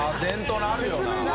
なるよな。